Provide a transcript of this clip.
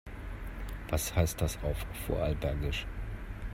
Was heißt das auf Vorarlbergisch?